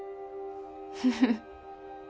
フフッ